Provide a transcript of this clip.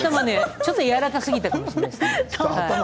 ちょっとやわらかすぎたかもしれませんね。